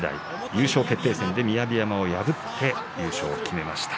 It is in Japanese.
優勝決定戦で雅山を破って優勝を決めました。